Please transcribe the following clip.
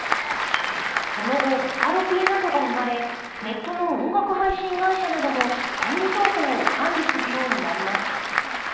その後ボカロＰなどが生まれネットの音楽配信会社なども権利情報を管理するようになりました。